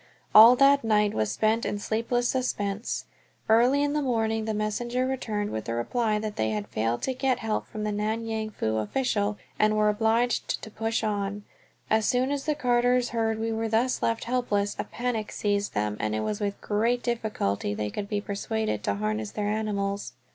All that night was spent in sleepless suspense. Early in the morning the messenger returned with the reply that they had failed to get help from the Nan Yang Fu official and were obliged to push on. As soon as the carters heard we were thus left helpless a panic seized them, and it was with great difficulty they could be persuaded to harness their animals.